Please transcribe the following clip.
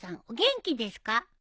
お元気ですか？」